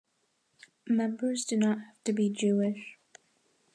Members do not have to be Jewish.